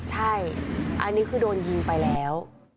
ใช่อันนี้คือโดนยิงไปแล้ว